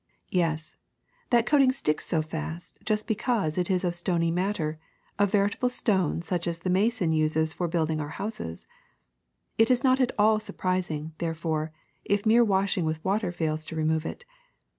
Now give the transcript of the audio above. '' ^^Yes, that coating sticks so fast just because it is of stony matter, of veritable stone such as the mason uses for building our houses. It is not at all sur prising, therefore, if mere washing with water fails to remove it.